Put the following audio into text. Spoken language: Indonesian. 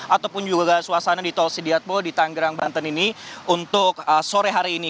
ataupun juga suasana di tol sediatbo di tanggerang banten ini untuk sore hari ini